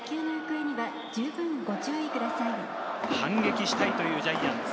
反撃したいというジャイアンツ。